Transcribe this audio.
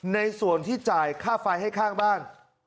ในส่วนที่จ่ายค่าไฟให้ข้างบ้าน